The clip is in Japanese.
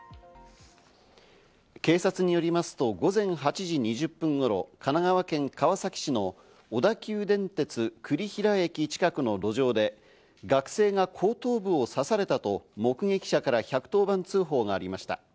警察によりますと午前８時２０分頃、神奈川県川崎市の小田急電鉄・栗平駅近くの路上で、学生が後頭部を刺されたと目撃者から１１０番通報がありました。